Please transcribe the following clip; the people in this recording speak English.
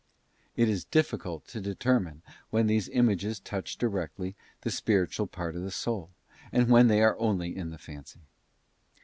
It is difficult to determine when these images touch directly the spiritual part of the soul, and when they are only in the fancy.